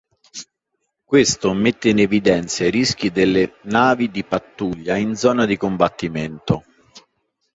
Questo mette in evidenza i rischi delle navi di pattuglia in zona di combattimento.